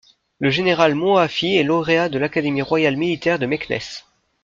Le Général Mouaafi est lauréat de l'académie royale militaire de Méknes.